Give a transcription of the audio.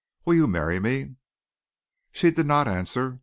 Will you marry me?" She did not answer.